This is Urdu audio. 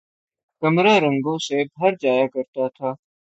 کمرا رنگوں سے بھر جایا کرتا تھا